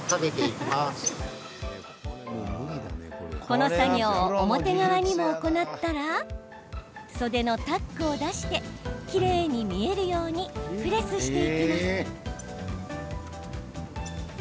この作業を表側にも行ったら袖のタックを出してきれいに見えるようにプレスしていきます。